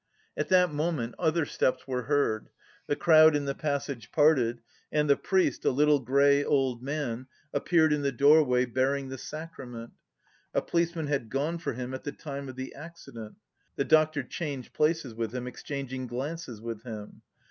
At that moment other steps were heard; the crowd in the passage parted, and the priest, a little, grey old man, appeared in the doorway bearing the sacrament. A policeman had gone for him at the time of the accident. The doctor changed places with him, exchanging glances with him.